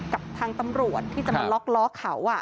กับทางตำรวจที่จะมาล็อกล้อเขา